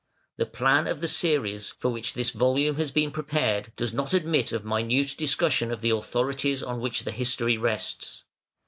The plan of the series, for which this volume has been prepared, does not admit of minute discussion of the authorities on which the history rests.